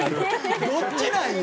どっちなんよ？